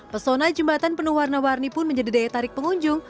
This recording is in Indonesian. pesona jembatan penuh warna warni pun menjadi daya tarik pengunjung